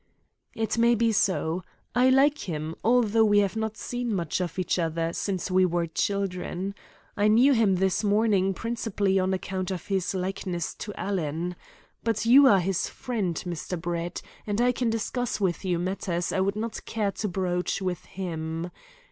"It may be so. I like him, although we have not seen much of each other since we were children. I knew him this morning principally on account of his likeness to Alan. But you are his friend, Mr. Brett, and I can discuss with you matters I would not care to broach with him.